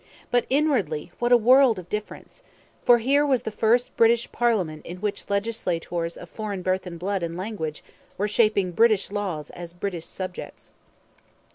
But inwardly what a world of difference! For here was the first British parliament in which legislators of foreign birth and blood and language were shaping British laws as British subjects.